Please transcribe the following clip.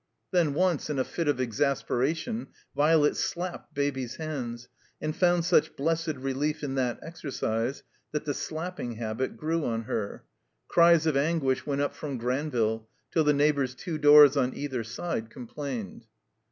Then once, in a fit of exasperation, Violet slapped Baby's hands and found such blessed relief in that exercise that the slapping habit grew on her. Cries of anguish went up from Granville, till the neighbors two doors on either side complained.